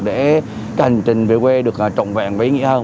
để hành trình về quê được trọng vẹn vĩ nghĩa hơn